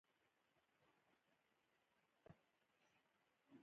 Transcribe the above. ښارونه د ناحیو ترمنځ تفاوتونه رامنځ ته کوي.